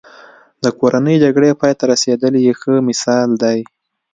د کورنۍ جګړې پای ته رسېدل یې ښه مثال دی.